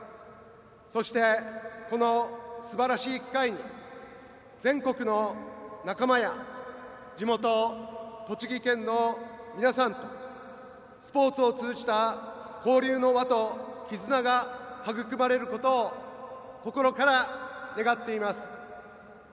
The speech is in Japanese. そして、このすばらしい機会に全国の仲間や地元・栃木県の皆さんとスポーツを通じた交流の輪と絆が育まれることを心から願っています。